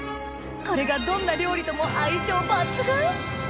これがどんな料理とも相性抜群！